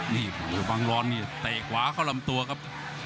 นี่บังรวรณ์เตะกวาเข้าลำตัวครับ